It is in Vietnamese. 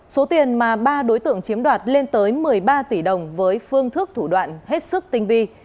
số tiền mà ba đối tượng chiếm đoạt lên tới một mươi ba tỷ đồng với phương thức thủ đoạn hết sức tinh vi